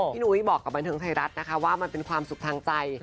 นุ้ยบอกกับบันเทิงไทยรัฐนะคะว่ามันเป็นความสุขทางใจ